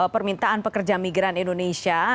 permintaan pekerja migran indonesia